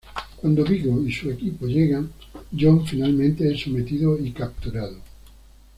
Cuando Viggo y su equipo llegan, John finalmente es sometido y capturado.